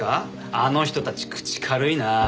あの人たち口軽いなあ。